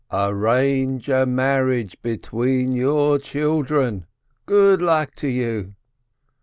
Arrange a marriage between your children ! Good luck to you